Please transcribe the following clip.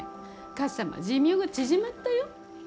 かっさまは寿命が縮まったよ。